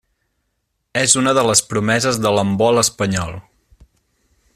És una de les promeses de l'handbol espanyol.